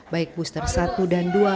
baik booster satu dan dua